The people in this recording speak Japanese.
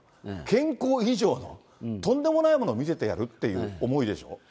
健康以上のとんでもないものを見せてやるっていう思いでしょ？